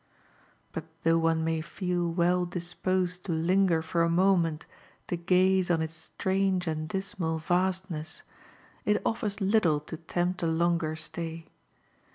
^ut lho|]gh c^^ b^j fpd FfU 4i#po(|^ ^ Jiog^r for a moment to gaze on its strange and dismal vastness, it offers little to tempt a longer stay.